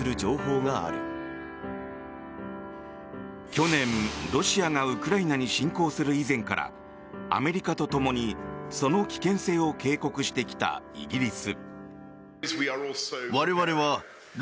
去年、ロシアがウクライナに侵攻する以前からアメリカとともにその危険性を警告してきたイギリス。